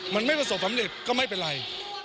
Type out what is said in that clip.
มันไม่ประสบภัณฑ์หมดมันไม่เป็นไร